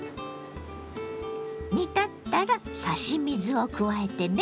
煮立ったら差し水を加えてね。